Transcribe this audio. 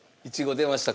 出ました。